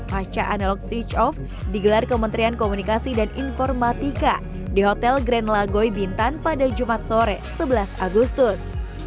pasca analog switch off digelar kementerian komunikasi dan informatika di hotel grand lagoy bintan pada jumat sore sebelas agustus